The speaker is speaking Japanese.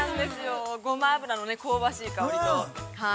ゴマ油の香ばしい香りと。